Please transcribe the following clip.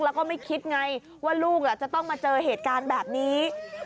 แล้วก็ไม่คิดไงว่าลูกจะต้องมาเจอเหตุการณ์แบบนี้